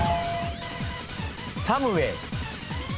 サムウェー。